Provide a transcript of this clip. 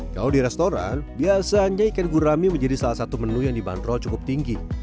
kalau di restoran biasanya ikan gurami menjadi salah satu menu yang dibanderol cukup tinggi